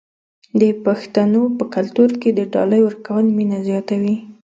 د پښتنو په کلتور کې د ډالۍ ورکول مینه زیاتوي.